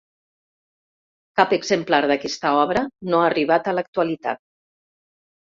Cap exemplar d'aquesta obra no ha arribat a l'actualitat.